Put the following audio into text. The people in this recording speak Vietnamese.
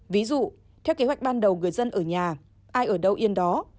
ví dụ theo kế hoạch ban đầu người dân ở nhà ai ở đâu yên đó